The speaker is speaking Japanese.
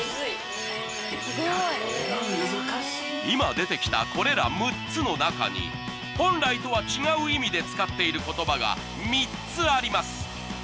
今出てきたこれら６つの中に本来とは違う意味で使っている言葉が３つあります。